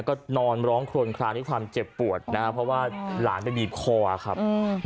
ก็นอนร้องครวนคลานด้วยความเจ็บปวดนะครับเพราะว่าหลานไปบีบคอครับ